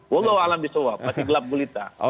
wallahualam bisowa masih gelap gulita